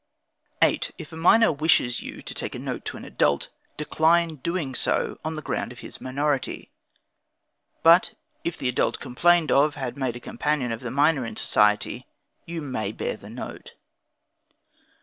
8. If a minor wishes you to take a note to an adult, decline doing so, on the ground of his minority. But if the adult complained of, had made a companion of the minor in society, you may bear the note.